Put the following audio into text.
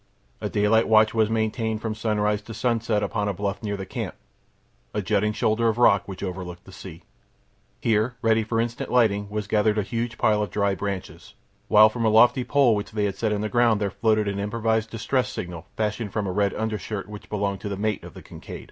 A daylight watch was maintained from sunrise to sunset upon a bluff near the camp—a jutting shoulder of rock which overlooked the sea. Here, ready for instant lighting, was gathered a huge pile of dry branches, while from a lofty pole which they had set in the ground there floated an improvised distress signal fashioned from a red undershirt which belonged to the mate of the Kincaid.